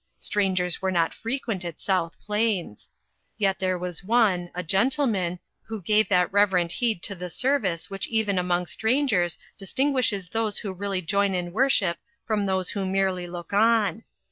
Strangers were not frequent at South Plains. Yet there was one, a gentleman, who gave that reverent heed to the service which even among strangers distinguishes those who really join in worship from those who merely look on.